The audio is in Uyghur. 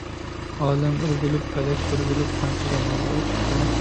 ئالەم ئۆرگۈلۈپ، پەلەك چۆرگۈلۈپ، قانچە زامانلار ئۆتۈپتۇ.